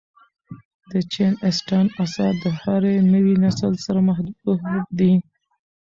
د جین اسټن آثار د هر نوي نسل سره محبوب دي.